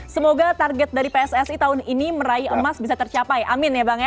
semoga target dari pssi tahun ini meraih emas bisa tercapai amin ya bang ya